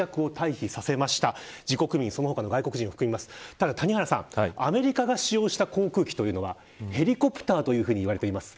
ただ、谷原さんアメリカが使用した航空機というのはヘリコプターと言われています。